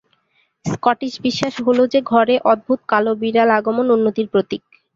Scottish বিশ্বাস হলো যে ঘরে অদ্ভুত কালো বিড়াল আগমন উন্নতির প্রতীক।